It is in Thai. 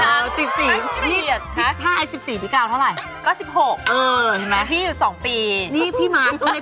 อ๋ออันอยู่เท่าไหร่ไหม